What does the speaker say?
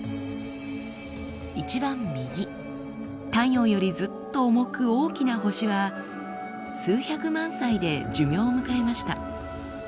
一番右太陽よりずっと重く大きな星は数百万歳で寿命を迎えました。